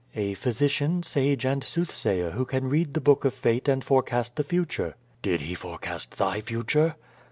"A physician, sage and soothsayer who can read the book of fate and forecast the future." "Did he forecast thy future?"